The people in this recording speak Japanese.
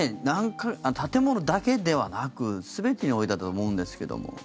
建物だけではなく全てにおいてだと思うんですけども。